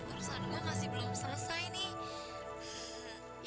urusan gue masih belum selesai nih